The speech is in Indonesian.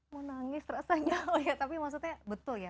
mau nangis rasanya loh ya tapi maksudnya betul ya